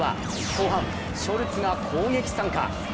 後半、ショルツが攻撃参加。